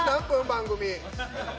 番組。